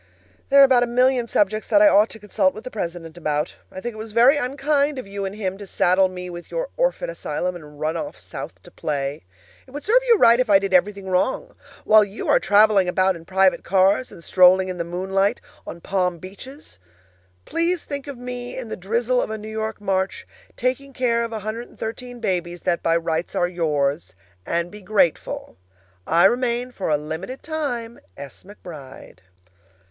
There are a million subjects that I ought to consult with the president about. I think it was very unkind of you and him to saddle me with your orphan asylum and run off South to play. It would serve you right if I did everything wrong. While you are traveling about in private cars, and strolling in the moonlight on palm beaches, please think of me in the drizzle of a New York March, taking care of 113 babies that by rights are yours and be grateful. I remain (for a limited time), S. McBRIDE.